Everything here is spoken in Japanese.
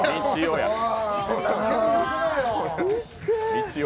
みちお！